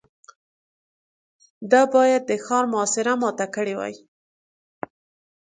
ده بايد د ښار محاصره ماته کړې وای.